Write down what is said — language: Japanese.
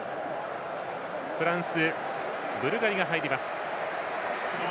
フランス、ブルガリが入ります。